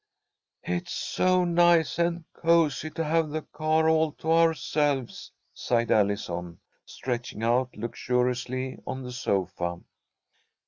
"It's so nice and cosy to have the car all to ourselves," sighed Allison, stretching out luxuriously on the sofa.